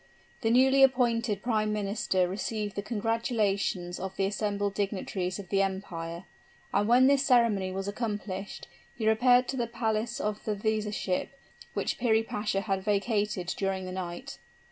The newly appointed prime minister received the congratulations of the assembled dignitaries of the empire; and when this ceremony was accomplished, he repaired to the palace of the viziership, which Piri Pasha had vacated during the night.